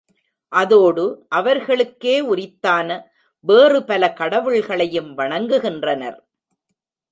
அதோடு அவர்களுக்கே உரித்தான வேறுபல கடவுள்களையும் வணங்குகின்றனர்.